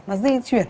nó di chuyển